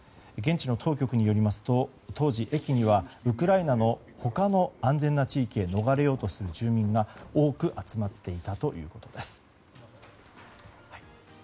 現地の当局によりますと当時、駅にはウクライナの他の安全な地域へ逃れようとする住民が多く集まっていたということです。